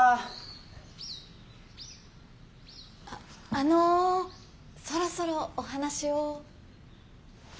あのそろそろお話を。